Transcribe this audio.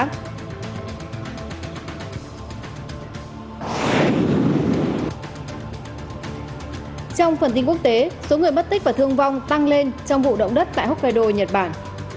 trong phần tin quốc tế số người mất tích và thương vong tăng lên trong vụ động đất tại hokkaido nhật bản